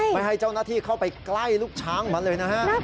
ไม่ให้เจ้าหน้าที่เข้าไปใกล้ลูกช้างมันเลยนะฮะ